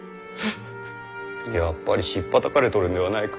やっぱりひっぱたかれとるんではないか。